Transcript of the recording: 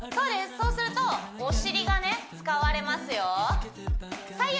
そうするとお尻がね使われますよ